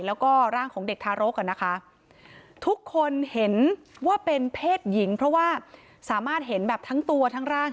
แล้วก็ร่างของเด็กทารกอ่ะนะคะทุกคนเห็นว่าเป็นเพศหญิงเพราะว่าสามารถเห็นแบบทั้งตัวทั้งร่าง